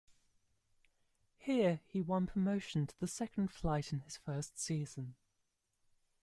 Here, he won promotion to the second flight in his first season.